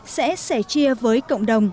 sẽ sẻ chia với cộng đồng